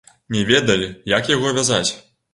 Не ведалі, як яго вязаць.